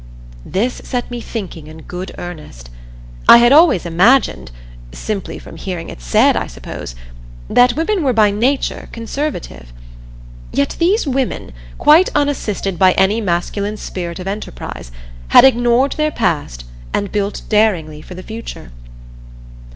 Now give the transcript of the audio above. This set me thinking in good earnest. I had always imagined simply from hearing it said, I suppose that women were by nature conservative. Yet these women, quite unassisted by any masculine spirit of enterprise, had ignored their past and built daringly for the future.